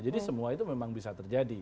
jadi semua itu memang bisa terjadi